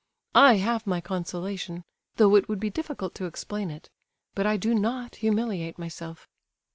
I have my consolation, though it would be difficult to explain it—but I do not humiliate myself.